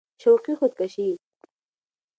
شوقي خود کشي